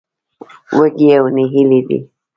وږي او نهيلي دي.